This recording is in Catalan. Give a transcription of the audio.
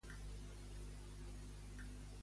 Què estarà enllestit per la boda?